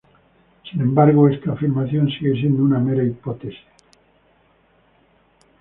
Sin embargo, esta afirmación sigue siendo una mera hipótesis.